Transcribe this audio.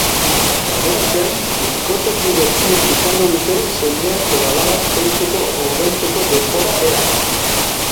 Aurrerantzean, bikotekide biek izango dute semeak edo alabak zaintzeko ordainpeko denbora bera.